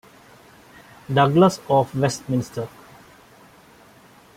Douglas of Westminster.